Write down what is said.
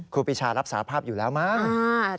ครูปีชารับสาภาพอยู่แล้วมั้ง